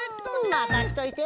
まかしといて！